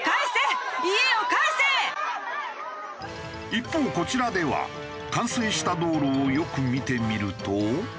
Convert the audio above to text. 一方こちらでは冠水した道路をよく見てみると。